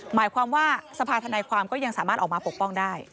หมายความว่าสภาธนายความก็ยังสามารถออกมาปกป้องได้